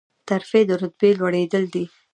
ترفیع د رتبې لوړیدل دي